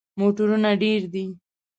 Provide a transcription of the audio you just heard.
موټرونه ډیر دي